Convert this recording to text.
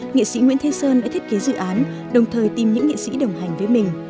nghệ sĩ nguyễn thế sơn đã thiết kế dự án đồng thời tìm những nghệ sĩ đồng hành với mình